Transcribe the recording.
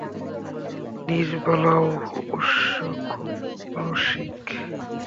নীরবালাও অবশ্য খুব– রসিক।